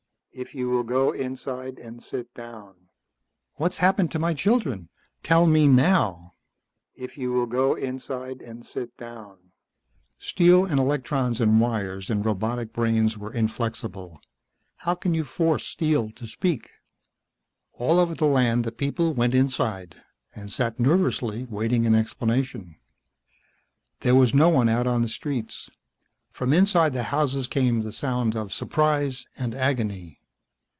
"If you will go inside and sit down " "What's happened to my children? Tell me now!" "If you will go inside and sit down " Steel and electrons and wires and robotic brains were inflexible. How can you force steel to speak? All over the land the people went inside and sat nervously waiting an explanation. There was no one out on the streets. From inside the houses came the sound of surprise and agony.